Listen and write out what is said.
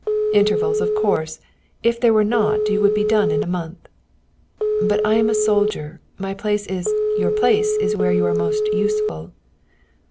"Intervals, of course. If there were not you would be done in a month." "But I am a soldier. My place is " "Your place is where you are most useful."